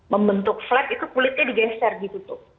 membentuk flap itu kulitnya digeser gitu tuh